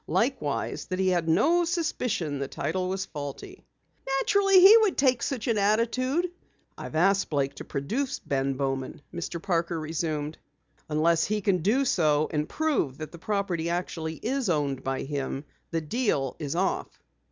Likewise, that he had no suspicion the title was faulty." "Naturally he would take such an attitude." "I've asked Blake to produce Ben Bowman," Mr. Parker resumed. "Unless he can do so and prove that the property actually is owned by him, the deal is off."